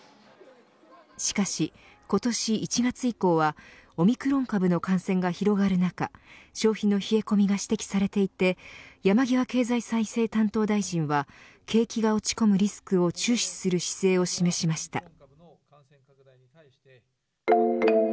しかし今年１月以降はオミクロン株の感染が広がる中消費の冷え込みが指摘されていて山際経済再生担当大臣は景気が落ち込むリスクを注視する姿勢を示しました。